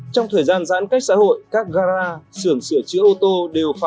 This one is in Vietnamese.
trong thời gian giãn cách xã hội các gara xưởng sửa chữa ô tô đều phải di chuyển